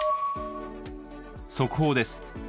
速報です。